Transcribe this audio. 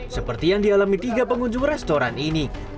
seperti yang dialami tiga pengunjung restoran ini